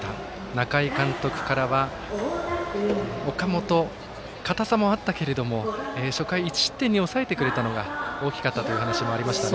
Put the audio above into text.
仲井監督からは岡本、かたさもあったけれども初回１失点に抑えてくれたのが大きかったという話がありました。